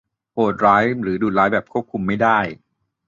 โหดร้ายหรือดุร้ายแบบควบคุมไม่ได้